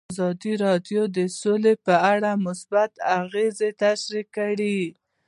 ازادي راډیو د سوله په اړه مثبت اغېزې تشریح کړي.